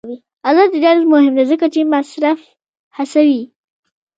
آزاد تجارت مهم دی ځکه چې مصرف هڅوي.